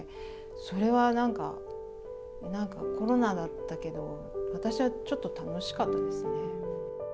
それはなんか、コロナだったけど、私はちょっと楽しかったですね。